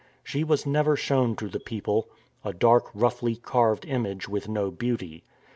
She was never shown to the people — a dark, roughly carved image, with no beauty.